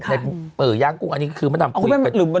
ในเปอร์ย่างกุ้งอันนี้ก็คือมันทำควิต